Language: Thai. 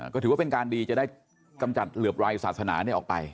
ก็ถือว่าเป็นการดีจะได้กำจัดเหลือบรายศาสนาออกไป